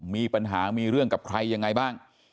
มีปัญหามีเรื่องกับใครยังไงบ้าง